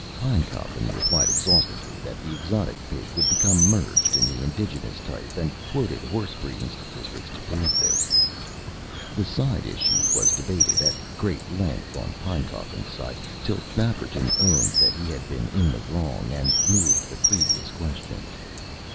Pinecoffin replied exhaustively that the exotic Pig would become merged in the indigenous type; and quoted horse breeding statistics to prove this. The side issue was debated, at great length on Pinecoffin's side, till Nafferton owned that he had been in the wrong, and moved the previous question.